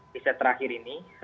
riset terakhir ini